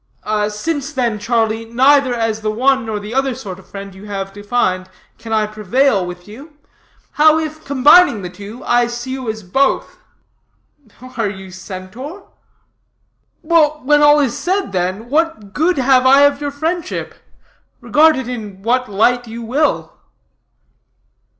"Since then, Charlie, neither as the one nor the other sort of friend you have defined, can I prevail with you; how if, combining the two, I sue as both?" "Are you a centaur?" "When all is said then, what good have I of your friendship, regarded in what light you will?"